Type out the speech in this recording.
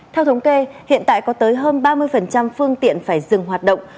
theo thống kê hiện tại có tới hơn ba mươi phương tiện phải dừng hoạt động